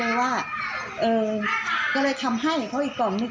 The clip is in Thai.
ให้ทางร้านเพิ่มข้าวให้อะไรประมาณนี้ค่ะ